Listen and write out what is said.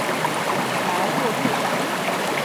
莱洛日。